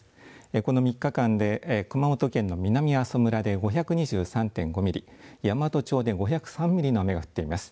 この３日間で熊本県の南阿蘇村で５２３．５ミリ、山都町で５０３ミリの雨が降っています。